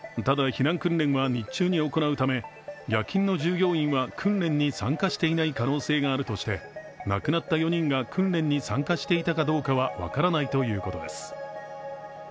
ただ、避難訓練は日中に行うため夜勤の従業員は訓練に参加していない可能性があるとして亡くなった４人が訓練に参加していたかどうかは分からないということです。